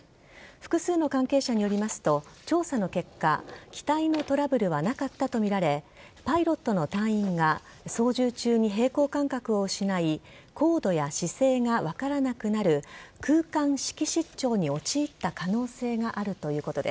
複数の関係者によりますと調査の結果機体のトラブルはなかったとみられパイロットの隊員が操縦中に平衡感覚を失い高度や姿勢が分からなくなる空間識